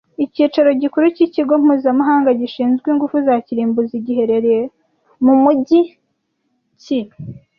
Icyicaro gikuru cy’ikigo mpuzamahanga gishinzwe ingufu za kirimbuzi giherereye mu mujyi ki